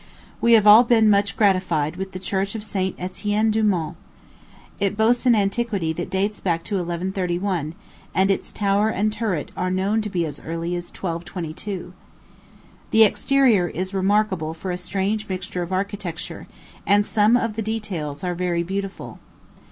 We have all been much gratified with the Church of St. Etienne du Mont. It boasts an antiquity that dates back to 1131, and its tower and turret are known to be as early as 1222. The exterior is remarkable for a strange mixture of architecture, and some of the details are very beautiful.